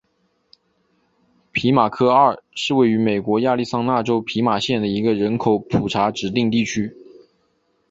皮马科二是位于美国亚利桑那州皮马县的一个人口普查指定地区。